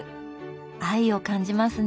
愛を感じますね。